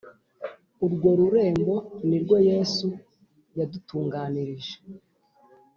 Urwo rurembo nirwo Yesu yadutunganirije